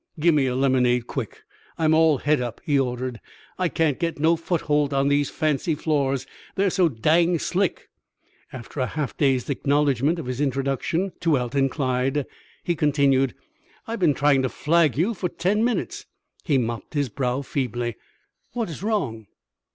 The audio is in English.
"Gimme a lemonade, quick; I'm all het up," he ordered. "I can't get no footholt on these fancy floors, they're so dang slick." After a half dazed acknowledgment of his introduction to Alton Clyde, he continued: "I've been trying to flag you for ten minutes." He mopped his brow feebly. "What is wrong?"